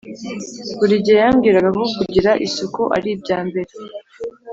buri gihe yambwiraga ko kugira isuku ari ibyambere